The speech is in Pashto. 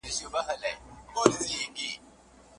خواخوږي ولرئ.